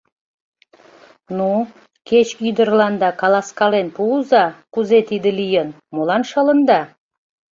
Ну, кеч ӱдырланда каласкален пуыза, кузе тиде лийын, молан шылында?